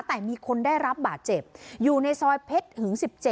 แต่มีคนได้รับบาดเจ็บอยู่ในซอยเพชรหึง๑๗